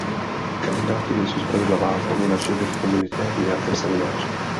Kandidáti nejsou zpravidla vázáni na život v komunitě v nějakém semináři.